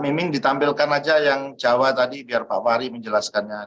amin amin ditampilkan aja yang jawa tadi biar pak fahri menjelaskannya